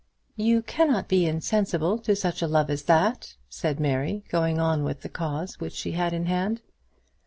"You cannot be insensible to such love as that!" said Mary, going on with the cause which she had in hand.